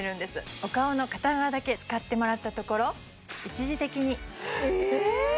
お顔の片側だけ使ってもらったところ一時的にえっ？